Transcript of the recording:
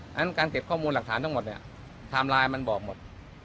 ฉะนั้นการเก็บข้อมูลหลักฐานทั้งหมดเนี่ยไทม์ไลน์มันบอกหมด